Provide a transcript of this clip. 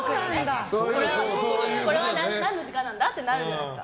何の時間なんだってなるじゃないですか。